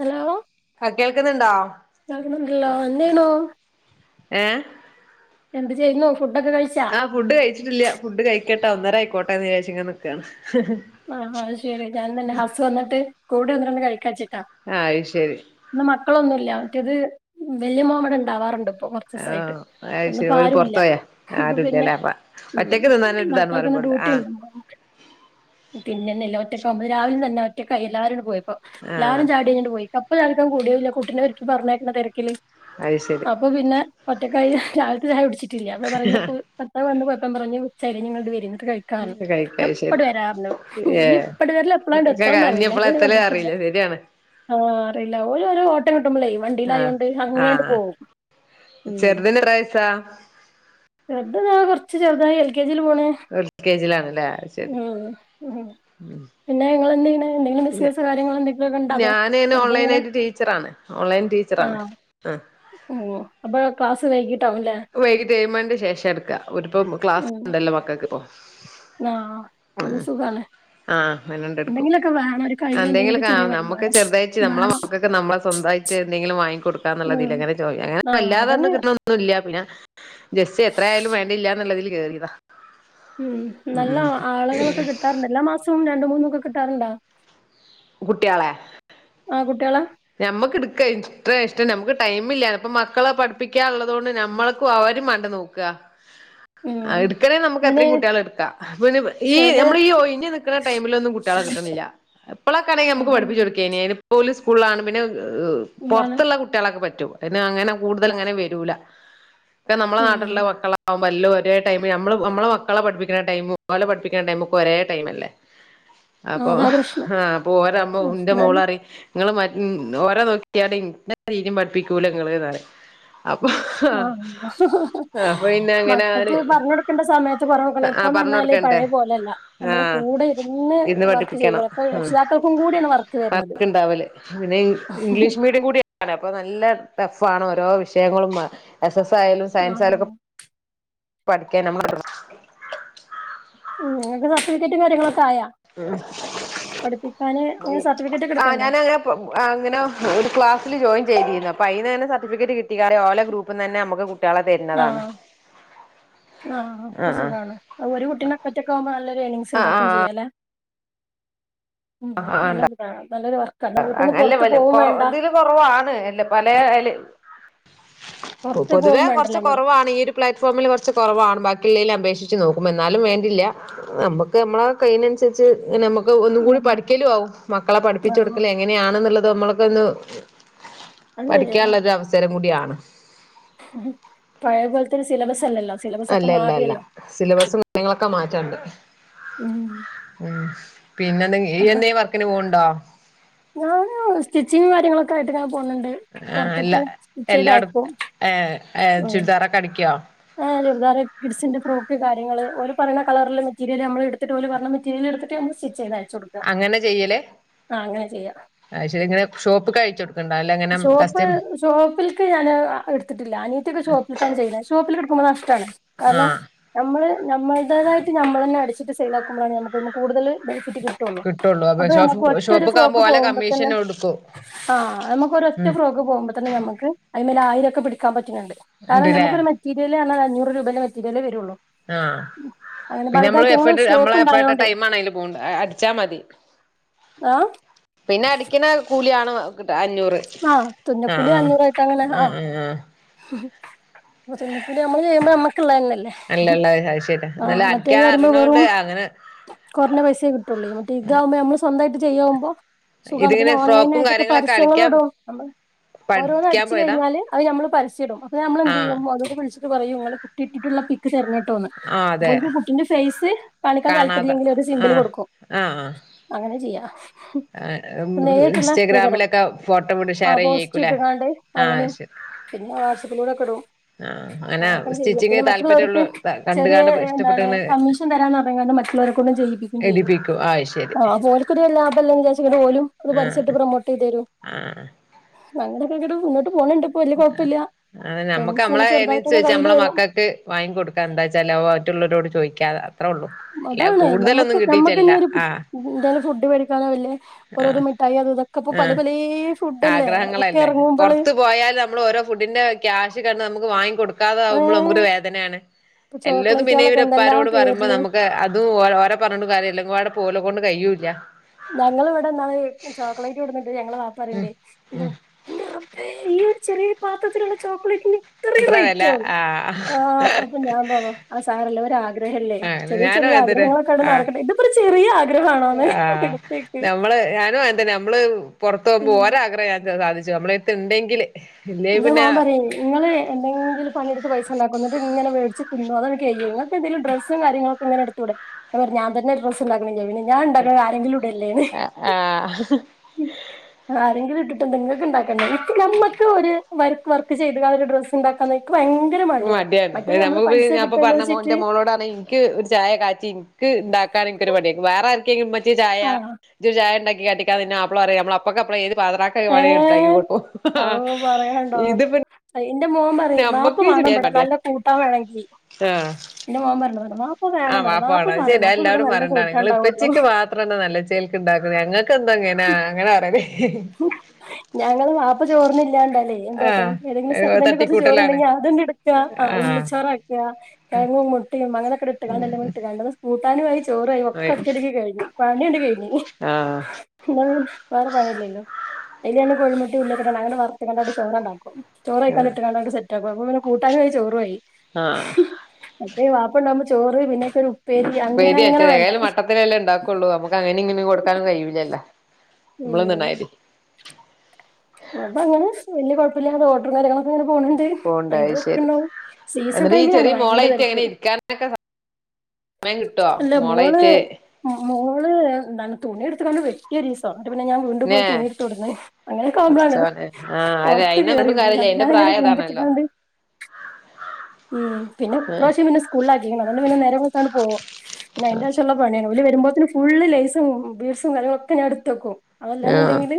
Hello ആ കേൾക്കുന്നുണ്ടോ കേൾക്കുന്നുണ്ടല്ലോ എന്തെന്നു ഏഹ് എന്ത് ചെയ്യുന്നു ഫുഡൊക്കെ കഴിച്ച ആഹ് ഫുഡ് കഴിച്ചിട്ടില്ല ഫുഡ് കഴിക്കട്ടെ ഒന്നേര ആയിക്കോട്ടെ എന്ന് വിചാരിച്ചു നിക്കാണ് ആഹ് ശെരി ഞാൻ തന്നെ ഹസ് വന്നിട്ട് കൂടെ ഇരുന്നുകഴിക്കാന്ന് വെച്ചിട്ടാ ആ അത് ശരി ഇന്ന് മക്കളൊന്നുല്ല മറ്റേത് വലിയ മോൻവിട ഇണ്ടാവാറുണ്ട് കൊറച്ച് ആ ദിവസായിട്ട് അയ്ശരി ഇന്നിപ്പോ ഓര് ആരുല്ല പൊറത്തോയാ അപ്പൊ പിന്നെ ആരുല്ലല്ലേ അപ്പ ഉം ഒറ്റക്ക് തിന്നാനൊരു ഇതാണ് മക്കൾക്കിന്ന് പറയുമ്പോൾ ആ ഡ്യൂട്ടിയില്ല പിന്നെന്നെ ഒറ്റക്ക ആകുമ്പത് രാവിലെ തന്നെ ഒറ്റക്കായി എല്ലാരുടെ പോയപ്പോ ആ എല്ലാരും ചായകുടി കഞ്ഞിട്ട് പോയി ഇപ്പോ ആർക്കും കൂടിയില്ല കുട്ടിനെ ഒരുരിക്കക്ക് പറഞ്ഞയക്കുന്ന തിരക്കില് അഅ്ശരി അപ്പൊ പിന്നെ ഒറ്റക്കായി രാവിൽത്തെ ചായ കുടിച്ചിട്ടില്ല. അപ്പ ഞാൻ പറ്യ ഇനിപ്പോ ഇപ്പെത്താ വന്ന് പോയപ്പം പറഞ്ഞ് ഉച്ചായിലേ ഇഞ്ഞ് ഇങ്ങള്ട് വരി ന്നട്ട് കഴിക്കാർഞ്. കഴിക്ക അയ്ശരി ഞാപ്പട് വരാർണു. ഏ ഈ ഇപ്പട് വരല് എപ്പ്ളാണ്ട് ഒക്കെ എത്താ അതൊന്നു ഇനി അറീല്ല. എപ്പളാ ഇതുവരെ എത്തല് വന്നിട്ടില്ല. അറിയില്ല ശരിയാണ് ആഹ് അറീല്ല ഓലോ ലെ ഓട്ടം കിട്ടുമ്പളേ ആ വണ്ടീലായോണ്ട് ആ അങ്ങനാണ്ട് പോവും. ഉം. ചെറുതിന് എത്ര വയസാ ചെർത് ദാ കൊർച്ച് ചെർതായി എൽ കെ ജി ല് പോണ്. എൽ കെ ജിയിലാണല്ലേ അയ്ശരി ഉം ഉഹും. പിന്നെ നിങ്ങൾ എന്തെയ്യെണ്, എന്തെങ്കിലും ബിസിനസ് കാര്യങ്ങള് എന്തെ ഞാനയ്ന് ഓൺലൈൻ ആയിട്ട് ടീച്ചറാണ് ഓൺലൈൻ ടീച്ചറാണ്. ആഹ് ങ്ങൊ. അപ്പോ ക്ലാസ് വൈകിട്ടാവുംല്ലേ. വൈകിട്ട് ഏഴ് മണിന്റെ ശേഷാ ഇട്ക്കാ ഓര്പ്പം ക്ലാസ് ഉം ണ്ടല്ലോ മക്കക്കിപ്പം. ആഹ് അത് സുഖാണ്. ആഹ് അങ്ങനാണ്ട് ട്ക്കും. എന്തെങ്കിലൊക്കെ വേണം ഒരു കയ്യില് എന്തെങ്കിലും എന്തെങ്കിലൊക്കെ കാ ചെറിയ നമ്മുക്ക് വരുമാനം ചെറുതായിറ്റ് നമ്മളെ വേണം മക്കൾ ക്ക് നമ്മളെ സ്വന്തായിറ്റ് എന്തെങ്കിലും വാങ്ങി കൊടുക്കാന്നുള്ളതിൽ ഉം അങ്ങനെ ജോയിൻ അങ്ങനെ ആഹ് വല്ലാതൊന്ന് അതന്നെ കിട്ടണൊന്നുല്ല പിന്നെ ജെസ്റ്റ് എത്രായാലും വേണ്ടില്ലാ ന്നുള്ളതിൽ കേറീതാ. ഉം നല്ല ആളുകളൊക്കെ കിട്ടാറുണ്ട് എല്ലാ മാസവും രണ്ടും മൂന്നും ഒക്കെ കിട്ടാറുണ്ടോ? കുട്ട്യേളെ ആഹ് കുട്ട്യേളെ. ഞമ്മക്ക് ഇട്ക്ക. എത്രേ ഇഷ്ടം നമുക്ക് ടൈം ഇല്ലാ ന്. ഇപ്പം മക്കളെ പഠിപ്പിക്ക്യാ ഉള്ളതോണ്ട് നമ്മൾ ക്കു അവരിം മാണ്ടെ നോക്കാ. ഉം അഹ്ട്ക്കണേ നമുക്ക് അനെ എത്രിം കുട്ട്യാളെ ഇട്ക്കാ. അപ്പപിന്നെ ഈ ചില നമ്മൾ ഈ ഒഴിഞ്ഞ് നിക്ക്ണ ടൈമിലൊന്നും കുട്ട്യാളെ കിട്ട്ണില്ല. ഇപ്പളൊക്കേണെങ്കി നമുക്ക് അതാണ് പഠിപ്പിച്ചൊട് ക്കേനി. അയ്ന് ഇപ്പോല് സ്കൂളിലാണ്. പിന്നെ അതാണ് പൊർത്തുള്ള കു ട്ട്യേളക്ക പറ്റും. അയ്ന് അങ്ങനെ കൂടുതൽ അങ്ങനെ വരൂല. ഒക്കെ നമ്മളെ ഉം നാട്ടിലുള്ള മക്കൾ ആവുമ്പ എല്ലും ഒരേ ടൈമ്, ഞമ്മള് ഞമ്മളെ മക്കളെ പഠിപ്പിക്ണ ടൈമും ഓലെ പഠിപ്പിക്ക്ന്ന ടൈമും ഒക്ക ഒരേ ടൈമല്ലേ. ആ, അപ്പം അതാ പ്രശ്നം ആഹ് അപ്പം ഓരാവുമ്പം ഇന്റെ എന്തായാലും മോളറിം ഇങ്ങള് മ ഓരെ നോക്കിയാട് ഇന്നെ തീരിം പഠിപ്പിക്കൂല ഇങ്ങള് ന്നറിം. അപ്പൊ പിന്നെ അങ്ങനെ മക്കക്ക് പറഞ്ഞ് കൊടുക്കണ്ട സമയ ത്ത് പറഞ്ഞൊട്ക്കണം. ആ ഇപ്പം ന്ന് പറഞ്ഞ് പർഞ്ഞാല് കൊടുക്കണ്ടേ പഴയ പോലല്ല. നമ്മള് ആഹ് കൂടെ ഇരുന്ന് വർക്ക് പഠിപ്പിക്കണം ചെയ്യണം. ഇപ്പം ഉം രക്ഷിതാക്കൾക്കും കൂടിയാണ് വർക്ക് വര്നത്. വർക്ക്ണ്ടാവല് പിന്നെ ഇ ഇംഗ്ലീഷ് മീഡിയം കൂടിയാണ്, അപ്പം നല്ല ടഫ് ആണ് ഓരോ വിഷയങ്ങളുംമ. എസ് എസ് ആയാലും സയൻസ് ആഹ് ആയാലും ഒക്കെ പഠിക്കാൻ [unintelligible] ഉം. ഇങ്ങക്ക് സർട്ടിഫിക്കറ്റും കാര്യങ്ങളൊക്കെ ആയാ? പഠിപ്പിക്കാന് ഉം അങ്ങനെ സർട്ടിഫിക്കറ്റ് ഒക്കെ ആഹ് എടുക്കണ്ടേ ഞാനങ്ങനെ പ്പം ആഹ് ങ്ങനെ ഒരു ക്ലാസ്സിൽ ജോയിൻ ചെയ്തീന്നു. അപ്പം അയ്ന്ന് ഇങ്ങനെ സർട്ടിഫിക്കറ്റ് കിട്ടിക്കാണ്ട് ഓല ഗ്രൂപ്പിന്നന്നെ നമുക്ക് കു ആഹ് നതാന്ന്. ആഹ് അപ്പ സുഖാണ്. അ ഒരു കുട്ടിനെക്കൊറ്റക്കാവുമ്പോ നല്ലൊരു ഏണിംങ്സ് ആഹ് ഉണ്ടാക്കും ആഹ് ചെയ്യാലേ. ഉം. ആഹ് നല്ലൊരുതാണ്, നല്ലൊരു വർക്കാ. ന്നാ വീട്ട്ന്ന് പൊർത്ത് പോവും വേണ്ട. കൊർവാണ്. എല്ല പലേ അയ്ല് പുറത്ത് പൊതുവേ പോവും കുറച്ച് വേണ്ടല്ലോ നമ്മള് കൊറവാണ് ഈയൊര് പ്ലാറ്റ്ഫോമിൽ കുറച്ച് കുറവാണ് ബാക്കിള്ളേല് അപേക്ഷിച്ച് നോക്കുമ്പം എന്നാലും വേണ്ടില്ല. നമ്മുക്ക് നമ്മളെ കയ്യിനൻസരിച്ച് ഇങ്ങനെ നമുക്ക് ഒന്നും കൂടി ഉം പഠിക്കലും ആവും. മക്കളെ പഠിപ്പിച്ചൊട് ആഹ് എങ്ങനെയാണ് ന്നുള്ളത് നമ്മൾക്കൊന്ന് അത് ശരിയാ പഠിക്കാൻള്ള ഒരു അവസരം കൂടിയാണ്. ഉഹും പഴേ പോലത്തൊര് സിലബസ് അല്ലല്ലോ. സിലബസ് ഒക്കെ അല്ല ല്ല ല്ല. മാറിയല്ലോ സിലബസും കാര്യങ്ങളൊക്കെ മാറ്റണ്ട്. ഉം ഉം പിന്നെ എന്തെ അപ്പൊ ഇയ്യെന്തെം വർക്കിന് പോവ്ണ്ടോ? ഞാന് സ്റ്റിച്ചിങ് കാര്യങ്ങളൊ ക്കായിട്ട്ങ്ങനെ പോണ് ണ്ട്. ആ അല്ല പൊർത്ത്ക്ക് എല്ലാടും സ്‌റ്റിച്ചെയ്തയക്കും ഏ ഏ ഉം. ചുരിദാറൊക്കെ അടിക്കോ ആഹ് രുതാറ് കിഡ്സിന്റെ ഫ്രോക് കാര്ങ്ങള് ഓല് പറയണ കളറില് മെറ്റീരിയൽ നമ്മള എടുത്തി ട്ട് ഓല് പറഞ്ഞ മെറ്റിരിയൽ എടുത്തിട്ട് സിചെയ്ത് അയച്ചൊട് അങ്ങനെ ചെയ്യലേ അഹ് ശരി ഇങ്ങനെ ഷോപ്പ് കഴിച്ചോടു ഷോപ്പ് ഷോപ്പിലേക്ക് ഞാൻ എടുത്തിട്ടില്ല അനിയത്തിടെ ഷോപ്പിൽക്കാണ് ചെയ്യുന്നത് ഷോപ്പിലടുക്കുമ്പോ നഷ്ടണ് ആഹ് നമ്മള് നമ്മുടേതായിട്ട നമ്മളെന്നെ അടിച്ചിട്ട് സെയിലാക്കുമ്പോഴാണ് നമുക്ക്ന്ന് കൂടുതല് ബെനിഫിറ്റ് കി ട്ടൊള്ളൂ കിട്ടുള്ളൂ അപ്പൊ നമുക്ക് ഷോപ്പ് ഒറ്റ ഒരു ഷോപ്പ്ക്ക് ആകുമ്പോ ഫ്രോക്ക് ഓലെ കമ്മീഷൻ പോവുമ്പൊത്തന്നെ കൊടുക്കൂ ആഹ് അമ്മക് ഒറ്റ ഉം ഫ്രോക്ക് പോകുമ്പോ തന്നെ നമ്മക്ക് അതി മേ ആയിരൊക്കെ പിടിക്കാൻ പറ്റുന്നുണ്ട് കാരണം ഉണ്ട്ല്ലേ ഞമ്മക്കൊരു മെറ്റീരിയലാണ് അഞ്ഞൂറ് രൂപെന്നെ മെറ്റീരിയലേ വരൊള്ളൂ പിന്നമ്മള് എഫേട്ട് നമ്മളെ എഫേട്ട് ടൈമാണയ്‌ല് പോണ്ട് അടിച്ചാ മതി ആ പിന്നെ അടിക്ക്ണ കൂലിയാണോ കിട്ട അഞ്ഞൂറ് ആഹ് ആഹ് തുന്നക്കൂലി ആഹ് അഞ്ഞൂറായിട്ടങ്ങനെ ആഹ് പിന്നെ തുന്നക്കൂലി നമ്മള് ചെയ്യ്മ്പോ നമ്മക്ക്ള്ളന്നല്ലേ അല്ലല്ല അത് ശരി ആഹ് എന്നാല് മറ്റേ അടിക്കാൻ വെരല് അറിയണോണ്ട് വെറും അങ്ങനെ കൊർഞ്ഞ പൈസേ കിട്ടൊള്ളെയ് മറ്റേ ഇതാകുമ്പോ നമ്മള് സ്വന്തായിട്ട് ചെയ്യാഉമ്പോ സുഖാണ് പിന്നെ ഇതിങ്ങനെ ഫ്രോക്കും ഓൺലൈനായിയിട്ടൊക്കെ കാര്യങ്ങളൊക്കെ പരസ് അടിക്കാൻ [unintelligible] നമ്മ പഠിക്കാൻ ഓരോന്നടിച്ച് പോയതാ കയിഞ്ഞാല് അത് നമ്മള് പരസ്യടും അപ്പൊ ആഹ് നമ്മളെന്തെയ്യും മോലാള് വിളിച്ച് ട്ട് പറയും ഇങ്ങള് കുട്ടിട്ടിട്ടുള്ള പിക്ക് തരണം ട്ടോന്ന് ആഹ് അതെ അപ്പോൽക്ക് കുട്ടിന്റെ ഫെയ്സ് കാണിക്കാൻ കാണാതെ താല്പാര്യല്ലെങ്കില് ഒര് സിംമ്പല് ആഹ് കൊട്ക്കും ആഹ് അങ്ങനെ ചെയ്യാ ആഹ് ഇ നേരിട്ടുള്ള നികരം ഇൻസ്റ്റാഗ്രാമിലൊക്കെ ഫോട്ടോ വിടും ആ പോസ്റ്റ് ഷെയറെയ്യേയ്ക്കുലേ ഇട്ടുകാണ്ട് ആഹ് അങ്ങനെയും ശരി പിന്നെ വാട്സപ്പിലൂടെക്കെടും ആഹ് അങ്ങനെ അങ്ങനൊക്കാണ്ട് ചെയ്യും സ്റ്റിച്ചിങ് പിന്നെ താല്പര്യമുള്ള മറ്റുള്ളോർക്ക് കണ്ട് ചെറ്യേ കാണ്ട് എന്താണ് ഇഷ്ടപ്പെട്ട്ങ്ങനെ കമ്മീ ഷൻ തരാന്നർഞ്കാണ്ട് മറ്റുള്ളോരെക്കൊണ്ടും ചെയ്യിപ്പിക്കും ചെയ്യും എടിപ്പിക്കും ശരി ആഹ് അപ്പോല് ക്കര് കൊല്ലം ആപ്പല്ലേന്ന് വിചാരിച്ച് പിന്നെ ഓലും അത് ആഹ് പര്യസ്യട്ട് പ്രമോട്ടെയ്തരും ആഹ് ഞങ്ങടെ പേകറ്റും മുന്നോട്ട് പോണണ്ട് വല്യ ആഹ് കുഴപ്പമില്ല അങ്ങനെ നമ്മക്ക് ഏണിങ്സ് നമ്മളെ ഇങ്ങനെ ചെറുതായിട്ടൊക്കെ കയ്നന്സര്ച്ച് കയ്യിൽ നമ്മളെ വരും മക്കക്ക് വാങ്ങി കൊട്ക്ക എന്താച്ചാല് അത് മറ്റ്ള്ളോരോട് ചോയ്ക്കാ അത്രൊള്ളൂ അതാണ് നമ്മക്ക് നമ്മക്ക്ഞ്ഞ് ഒരു ആഹ് എന്തേലും ഫുഡ് വേടിക്കാനോ വല്ല ഓരോരോ ആഹ് മിഠായി അത് തൊ ഒക്കെപ്പൊ പല ആഹ് പലേ ഫുഡല്ലേ അതൊക്കെറങ്ങുമ്പള് നമ്മളോരോ ഫുഡിന്റെ ക്യാഷ് കാരണം നമുക്ക് വാങ്ങിക്കൊട് ക്കാതാവുമ്പള് ഏഹ് നമുക്കൊരു വേദനേണ് ഇപ്പൊ എല്ലതും ചോക്ലേറ്റുകളൊക്കെ എന്തെല്ലാം ഇിനവരെപ്പാരോട് പറയുമ്പൊ പേരില് നമുക്ക് അ അത് ഓ ഓരെ പറഞ്ഞ്ട്ടും കാര്യല്ല ഇതൊക്കെപ്പാടെ ഓലെകൊണ്ട് കയ്യൂല്ല ഞങ്ങളിവ്ടെന്നാള് ചോക്ലേറ്റ് കൊട്ന്ന്ട്ട് ഞങ്ങളെ വാപ്പറിണ്ട് ഉം എന്ത ഉം ഇൻ്റെ റബ്ബേ ഈ ഒര് ചെറ്യേ പാത്രത്തില്ള്ള ചോക്ലേറ്റിന് ഇത്രിം ഇത്ര വില റൈറ്റോ ആഹ് ആഹ് അപ്പൊ ഞാൻ പറഞ്ഞ് ആഹ് സാരല്ല ഒരാഗ്രഹല്ലേ അങ്ങനെ ചെറിയ ഞാനും ചെറിയേ അങ്ങൻതന്നെ ആഗ്രഹങ്ങളൊക്കാണ്ട് ആഹ് നടക്കട്ടേ ഇത് ഇത്ര ചെറിയ ആഗ്രഹാണോന്ന് ആഹ് നമ്മള് ഞാനും അങ്ങൻതന്നെ നമ്മള് പൊർത്തോവുമ്പൊ ഉം ഒരാഗ്രഹം ഞാൻ സാധിച്ചു നമ്മളെട്ത്ത്ണ്ടെങ്കില് ഇന്റെ മോൻ പറിം ഇങ്ങള് എന്തെങ്കിലും പണിട്ത്ത് പൈസണ്ടാക്കും ഇന്ന്ട്ട്ങ്ങനെ വേടിച്ച് തിന്നും അതാണ്ട് കയ്യുംങ്ങ ക്കിതില് ഡ്രസും കാര്യങ്ങളൊക്കെങ്ങനെട്ത്തൂടെ ഞാൻ പർഞ്ഞു ഡ്രസ് ണ്ടക്ക്ണില്ലെ പിന്നെ ഞാണ്ടാക്ക്ണത് ആരെങ്കിലുടല്ലേന്ന് ആഹ് ആരെങ്കിലും ഇട്ടിട്ടെന്താ ഇങ്ങക്ക്ണ്ടാക്കണ്ടേ ഇപ്പ നമ്മക്ക് ഒര് വർക്ക് വർക്ക് ചെയ്ത്കാണ്ട് ഒരു ഡ്രസ്ണ്ടാക്കാന്നാ ഇൻക് ഭയ് മടിയാണ് അത് നമ്മക്ക്പ്പി ഞാപ്പ പർഞ്ഞ വെച്ചിട്ട് മോന്റെ മോളോടാണ് ഇൻക്ക് ഒര് ചായ കാച്ചി ഇൻക്ക് ഇണ്ടാക്കാൻ ഇൻകൊര് മടിയാ വേറാര്കേലു ഇമ്മച്ചി ചായ ആ ഇജ്ജൊരു ചായണ്ടാക്കിക്കാട്ടിക്കാന്ന് ഇൻ്റെ മാപ്പള പറിം നമ്മളപ്പക്കപ്പള് ഏത് പാതിരാ [unintelligible] ഏ വാണേലും ഇണ്ടാക്കി കൊട്ക്കും ആഹ് ഇത് പിന്നെ ഇന്റെ മോൻ പറിം വാപ്പ വാണം ബടെ മടിയാ നല്ല കൂട്ടാൻ വേണെങ്കി ആഹ് ഇന്റെ മോൻ പറഞ്ഞത് വാപ്പ വേണം ആഹ് ബടെ വാപ്പ വേണം അത് പറയണം അപ്പൊവടെ നല്ല കൂട്ടാണ്ടാവൊള്ളു ഇത്രന്നെ നല്ല ചേൽക്ക് ഉണ്ടാക്ക്ന്ന ഞങ്ങക്കെന്നുങ്ങനാ അങ്ങനെ പറയല് ഞങ്ങള് വാപ്പ ചോറിനില്ലാണ്ടല് എന്താട്ടും ഏതെങ്കിലും ആഹ് സെക്കനൻ്റ് കൊർച്ച് തട്ടിക്കൂട്ടലാണ് ചോറുണ്ടെങ്കി അതണ്ട് കാ അ ആഹ് ഉള്ളിച്ചോറാക്ക കെഴങ്ങും മുട്ടിം അങ്ങനൊക്കണ്ട്ട്ട്കാണ്ട് എല്ലാം ഉം കൂടിട്ട്കാണ്ട്ള്ള കൂട്ടാനു ആയി ചോറായി ഒക്കൊറ്റടിക്ക് കഴിഞ്ഞു പണിയാണ്ട് കഴിഞ്ഞ് ആഹ് എന്നാ പിന്നെ വേറെ പണില്ലല്ലോ അയ്ലെന്നെ കോഴിമുട്ടി ഉള്ളി ഒക്കെട്ട് അങ്ങനെ വർത്ത്കാണ്ടാണ്ട് ചോറാണ്ടാക്കും ചോറയ്ക്കാണ്ട്ട്ട്കാണ്ട് സെ പ്പ [unintelligible] കൂട്ടാനുമായി ചോറു ആയി ആഹ് മറ്റേ ബാപ്പയുണ്ടാവകുമ്പോ ചോറ് പിന്നൊക്കെ ഒരു ഉപ്പേരി അങ്ങനെ അങ്ങനെ വേണ്ടേ അത്രല്ലേ ഉണ്ടാക്കുള്ളൂ നമുക്ക് അങ്ങനെ ഇങ്ങനും കൊടുക്കാനും കഴിയില്ലല്ലോ ഉം നമ്മളന്നായി അതങ്ങനെ വലിയ കുഴപ്പമില്ലാത ഓട്ടോ കാര്ങ്ങളൊക്കെങ്ങനെ പോണുണ്ട് പോണ്ടായി അയിന്റെ അത്ശരി തിരക്കുണ്ടാവും സീസൺ എന്നിട്ട് ഈ ടൈമിലാണ് ചെറിയ ഭയങ്കര മോളായിട്ട് തിരക്ക് എങ്ങനെ ഇരിക്കാനൊക്കെ സമയം കിട്ടോ അല്ല മോള് മോളയിട്ട് മോള് ന തുണി എടുത്തുകൊണ്ട് വെ [unintelligible] പിന്നെ ഞാൻ വീണ്ടും ന്നെ പോയി തുണി തുടന്ന് അങ്ങനെ [unintelligible] പടച്ചോനെ ആഹ് അതെ പുറത്ത് അയിനെ കൊണ്ടും കേറിരുന്ന് കാര്യല്ല അയിന്റെ ഞാനങ്ങനെ പ്രായം അതാണല്ലോ കുമ്പിട്ട്ക്കാണ്ട് ഉം പിന്നെ ആഹ് പ്രാവശ്യം പിന്നെ സ്കൂളിലാക്കി അതുകണ്ട് പിന്നെ നേരെ വെൾത്താണ്ട് പോവും. പിന്നെ എന്റെ അവശ്യള്ള പണിയാണ് ഓല് വരുമ്പോതിന് ഫുള് ലേസും ബീഴ്സും കര്യങ്ങളൊക്കെ ഞാൻ എടുത്ത് വെക്കും ആഹ് അതല്ലാന്ന്ണ്ടെങ്കില്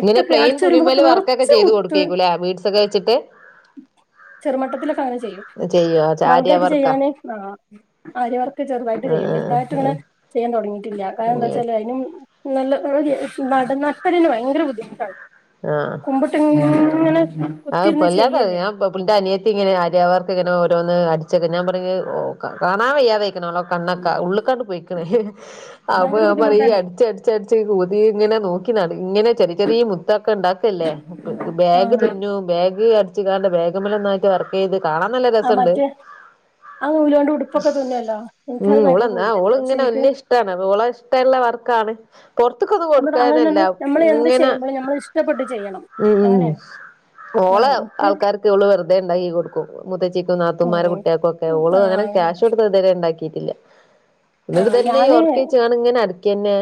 ഇങ്ങനെ പ്ലെയിൻ അടച്ചാരുമ്പളൊക്കെ തുണിമേല് വർക്കൊക്കെ നറച്ച് ചെയ്ത് മുത്ത് കൊടുക്കേക്കൂല്ലേ ബീഡ്സ് ഒക്കെ വെച്ചിട്ട് ചെറുമട്ടത്തിലൊക്കെ അങ്ങനെ ചെയ്യും ചെയ്യോ ബൾക്ക് ആര്യ ആയിട്ട് വർക്കാ ചെയ്യാന് അ ആഹ് ആര്യ വർക്ക് ചെറുതായിട്ട് ചെയ്യും ആഹ് വലുതായിട്ട ഇങ്ങനെ ആഹ് ചെയ്യാൻ തുടങ്ങിയിട്ടില്ല കാരണം എന്താ ആഹ് ച്ചാല് അതിനും നല്ല നടന്ന നട്ടല്ലിന് ഭയങ്കര ബുദ്ധിമുട്ടാണ് ആഹ് കുമ്പിട്ട്ങ്ങനെ [unintelligible] ഞാ ഇിന്റെ അനിയത്തി ഇങ്ങനെ ആര്യാവർക്ക് ഇങ്ങനെ ഓരോന്ന് അടിച്ചൊക്കെ ഞാൻ പറഞ്ഞ് കാണാൻ പയ്യാതയക്ക്ണ് ഒ കണ്ണൊക്കെ ഉള്ളക്കാണ്ട് പോയിക്ക്ണ് അപ്പൊ ഭയങ്കര ഞാൻ പറയും ബുദ്ധിമുട്ടാണേ അടിച്ചടിച്ചടിച്ച് ഈ കുതി ഇങ്ങനെ നോക്കി [unintelligible] ഇങ്ങനെ ചെറിയ ചെറിയ മുത്തൊക്കെ ഉണ്ടാക്കല്ലേ ബാഗ് ആഹ് തുന്നോ ബാഗ് ച്ച് കാണ്ട് വേഗ്മല് ഒന്നായിട്ട് വർക്ക് ചെയ്ത് കാണാൻ നല്ല ആ രസണ്ട് മറ്റേ ആ നൂലോണ്ട് ഉടുപ്പൊക്കെ തുന്നുവല്ലോ എനിക്കത് ഉം ഓൾ ഭയങ്കര പൂതിയാണ് ട്ടോ പക്ഷെ ഓളങ്ങനെ എനിക്ക് വലിയ ഇഷ്ടമാണ് ഓളേ ക്കെള്ള വർക്കാണ് പൊറത്തക്കത് കൊടുക്കാനല്ല അതന്നെ നമ്മള് എന്ത് ഇങ്ങനെ ചെയ്യുമ്പോഴും നമ്മൾ ഇഷ്ടപ്പെട്ട് ചെയ്യണം ഉം അങ്ങനെയാണ് ഓളെ ആഹ് എനിക്ക് ആൾക്കാർക്ക് ഓള് വെറുതെ ഇണ്ടാക്കി കൊടുക്കും മുത്തച്ചിക്കും നാത്തൂന്മാരെ ഉം കുട്ടികൾക്കും ഒക്കെ ഓള് അങ്ങനെ ക്യാഷ് കൊടുത്ത് ഇതുവരെ ഉണ്ടാക്കിയിട്ടില്ല ന്നിട്ട് ആഹ് ഇതന്നെ ഈ ഞാന് ഒറക്കിയച്ച് ങ്ങനെ അരക്കന്നെ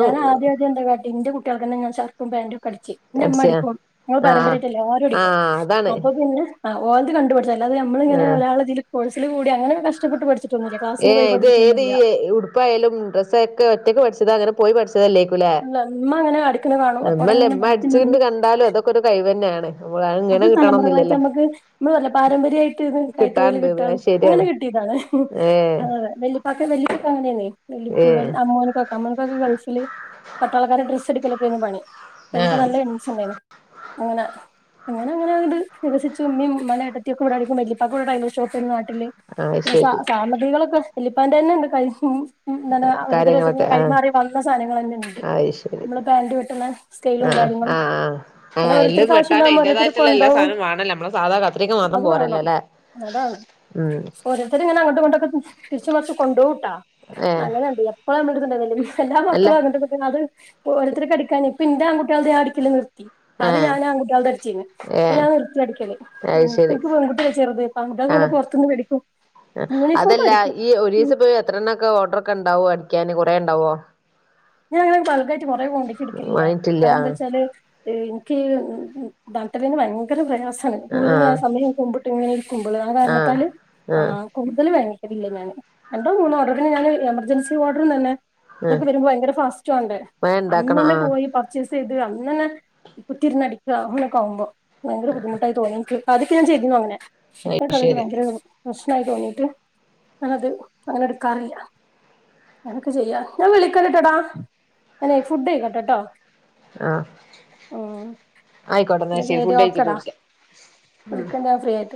ഞാനാദ്യ ആദ്യം എന്റെ കുട്ടികൾക്ക് ഞാൻ ഷർട്ടും പാന്റൊക്കെ അടിച്ച് ഇന്റെ ഇമ്മ അടിച്ചയാ അടിക്കും ങ്ങള് ആഹ് പരമ്പരയട്ടല്ല ആരോടിക്കും ആഹ് അതാണ് അപ്പൊ പിന്നെ ഓരത് കണ്ടുപിടിച്ച അത് നമ്മളിങ്ങന ആഹ് ഒരാളതിൽ കോഴ്സിൽ കൂടി അങ്ങനെ കഷ്ടപ്പെട്ട് പഠിച്ചു ഏഹ് ഇത് ഏത് ഈ ഉടുപ്പായാലും ഡ്രസൊക്കെ ഒറ്റക്ക് പഠിച്ചതാ അങ്ങനെ പോയി പഠിച്ച ഇട്ട് തന്നേക്കുവല്ലേ അല്ല ഇമ്മ അങ്ങനെ അടിക്കണ കാണും അപ്പൊ ഉം അവിടെ ഇങ്ങനെ [unintelligible] നോക്കി അടിച്ചുകൊണ്ട് നിന്ന് കണ്ടാലും അതൊക്കെ ഒരു കഴിവ് തന്നെയാണ്. നമ്മള് അത് ഇങ്ങനെ തലമുറകളായിട്ട് കിട്ടണംന്നില്ലല്ലോ നമ്മുക്ക് നമ്മള് പറയില്ലേ പാരമ്പര്യമായിട്ട് ഇത് കൈ തൊഴിൽ കിട്ടാനുണ്ട്ന്ന് കിട്ടാന്ന് അത് അങ്ങനെ ശരിയാണ് കി ട്ടിയത് ആണ് ഏഹ് അങ്ങനെ വെല്ലുപ്പായ്ക്ക് വല്ലുപ്പയ്ക്ക് അങ്ങനെയാണ് വല്ലുപ്പ ഏഹ് അമ്മോന്. നമ്മുക്കൊക്കെ ഗൾഫില് പട്ടാളക്കാരുടെ ഡ്രസ്സ് എടുക്കലൊക്കെയായിരുന്ന് പണി, അപ്പൊ എനിക്ക് ആഹ് നല്ല ഇൻ ഇൻട്രസ്റ്റ് ഉണ്ടായിരുന്നു, അങ്ങനെ. അങ്ങനെ അങ്ങനെ അങ്ങോട് വികസിച്ചു ഉമ്മയും ഉമ്മയുടെ ഏട്ടത്തിയൊക്കെവിടെരിക്കും, വെല്ലുപ്പായിക്ക് ടൈലർ ഷോപ്പ് ആയിരുന്നു പണി. ആഹ് പിന്നെ സാ ശരി സാമഗ്രികളൊക്കെ വല്യുപ്പാന്റെ തന്നെയുണ്ട് കഴിയും. ഇന്നലെ ഓരോരുത്തരോരുത്തർ കാര്യങ്ങളൊക്കെ ആഹ് കൈമാറി വന്ന സാധനങ്ങൾ തന്നെ ഉണ്ട്, അത് ശരി നമ്മള് [unintelligible] വെട്ടുന്നേ. സ്കെയിലും ആഹ് ആഹ് കാര്യങ്ങളും ആഹ് അങ്ങനെ ആഹ് എല്ലും ഒരോത്തർക്ക് ആവശ്യം വെട്ടാനും ഉണ്ടാകുമ്പോ ഓരോരുത്തരും. അതിന്റേതായിട്ടുള്ള എല്ലാ സാധനവും വേണല്ലേ നമ്മളെ സാധാ കത്രിക്ക മാത്രം അത് പോരല്ലല്ലേ ഉം. ഓരോരുത്തര് ഇങ്ങനെ അങ്ങോട്ട് ഇങ്ങോട്ടോക്കെ തിരിച്ചും മറിച്ചും കൊണ്ടുപോകൂട്ടോ, ഏഹ് നല്ലത് ഉണ്ട് എപ്പോഴ നമ്മള് ഇതുണ്ട് അതില്. എല്ലാ അല്ല മക്കളും അങ്ങോട്ടുമിങ്ങോട്ടും അത് ഓരോർത്തർക്ക് അടിക്കാന് എന്റെ ആൺകുട്ടികൾ ഞാൻ അടിക്കില്ല. അത് ഏഹ് ഞാൻ ആ കുട്ട്യാൾത അടിച്ചിന്നി അപ്പ ഏഹ് ഞാൻ നിർത്തി അടിക്കാല് അത് ഇപ്പൊ ശരി എനിക്ക് പെൺകുട്ടിയല്ലേ ചെറുത് അപ്പൊ ആൺകുട്ടികളെ തന്നെ പുറത്തുന്ന് മേടിക്കും. ആഹ് യൂണിഫോം അതല്ല അടിക്കും ഈ ഒരു ഉം ദിവസം പോയി എത്ര എണ്ണം ഒക്കെ ഓർഡർ ഒക്കെ ഉണ്ടാവോ, അടിക്കാന് കൊറെ ഉണ്ടാവോ? ഞാൻ അങ്ങനെ ബൾഗായിട്ട് കുറെ കൊണ്ട് വെച്ച് എടുക്കില്ല, വാങ്ങിട്ടില്ല കാരണം എന്താ ആഹ് വെച്ചാല്. എനിക്ക് [unintelligible] ഭയങ്കര പ്രയാസാ. ആണ് കൂടുതൽ ആഹ് സമയം കുമ്പിട്ട് ഇങ്ങനെ ഇരിക്കുമ്പോളേ ആഹ് കാരണത്താൽ ആഹ്. കൂടുതൽ വാങ്ങിക്കത്തില്ലേ ഞാന്, രണ്ടോ മൂന്നോ ഓർഡറിന് ഞാൻ എമർജൻസി ഓർഡറിന്ന് തന്നെ. ആഹ് അതൊക്കെ വരുമ്പോ ഭയങ്കര ഫാസ്റ്റാവേണ്ട് വേം അന്ന് ഇണ്ടാക്കണം തന്നെ ആഹ് പോയി പർ പർച്ചെയ്‌സ് അന്ന് തന്നെ കുത്തിയിരുന്നു അടിക്കുക അങ്ങനെ ഒക്കെ ആവുമ്പോ ഭയങ്കര ബുധിമുട്ടായി തോന്നി എനിക്ക്. ആദ്യം ഒക്കെ ഞാൻ ചെയ്തുയിരുന്നു അങ്ങനെ ഇപ്പൊക്കെ അത് അതൊരു ശരി ഭയങ്കര. പ്രശ്നായി തോന്നിട്ട് ഞാനത് അങ്ങനെ എടുക്കാറില്ല. എനക്ക് ചെയ്യ്, ഞാൻ വിളിക്കാം കേട്ടോടാ. ഞാനെ ഫുഡ് കഴിക്കിട്ടേ കേട്ടോ. ഉം ആയിക്കോട്ടെ എന്നാ ശരി ഫുഡ് കഴിച്ചിട്ട് വിളിക്കാം, ഉം. വിളിക്കണ്ട് ഞാൻ ഫ്രീ ആയിട്ട്